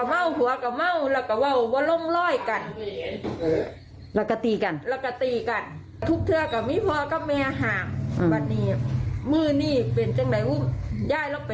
หลักเมียเขามาแล้วก็ไปเอิญย่าย